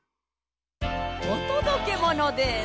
おとどけものです。